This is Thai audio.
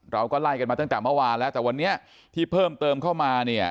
เราก็ไล่กันมาตั้งแต่เมื่อวานแล้วแต่วันนี้ที่เพิ่มเติมเข้ามาเนี่ย